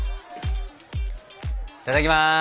いただきます。